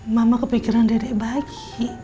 mama kepikiran dede bagi